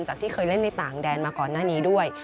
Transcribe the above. ที่เคยเล่นในต่างแดนมาก่อนหน้านี้ด้วย